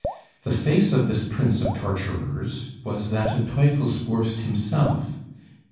The face of this prince of torturers was that of Teufelsbürst himself.